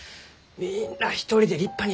みんな一人で立派にやりゆう。